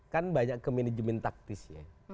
kan banyak kemanajemen taktis ya